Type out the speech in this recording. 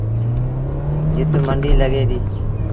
جت منڊيٚ لڳي ديٚ